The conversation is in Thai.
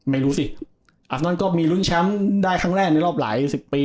ไม่รู้สิอาฟนอนก็มีลุ้นแชมป์ได้ครั้งแรกในรอบหลายสิบปี